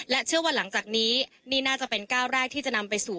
เชื่อว่าหลังจากนี้นี่น่าจะเป็นก้าวแรกที่จะนำไปสู่